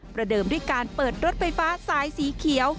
เดิมด้วยการเปิดรถไฟฟ้าสายสีเขียว